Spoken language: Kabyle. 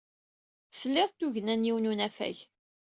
Tlid tugna n yiwen n unafag.